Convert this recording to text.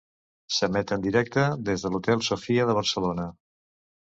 S'emet en directe des de l'Hotel Sofia de Barcelona.